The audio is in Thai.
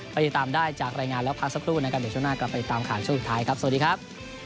ไปติดตามได้จากรายงานแล้วพักสักครู่นะครับ